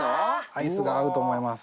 アイスが合うと思います。